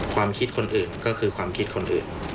ความคิดคนอื่นก็คือความคิดคนอื่น